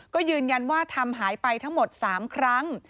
ก็ยืนยันว่าทำหายไปทั้งหมด๓ครั้ง